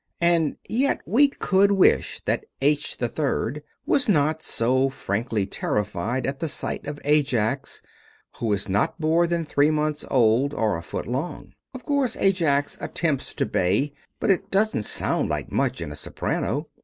And yet we could wish that H. 3rd was not so frankly terrified at the sight of Ajax, who is not more than three months old or a foot long. Of course, Ajax attempts to bay, but it doesn't sound like much in a soprano.